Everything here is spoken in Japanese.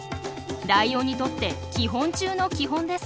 ライオンにとって基本中の基本です。